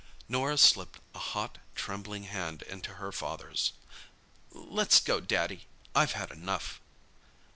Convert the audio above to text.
Norah slipped a hot, trembling hand into her father's. "Let's go, Daddy—I've had enough."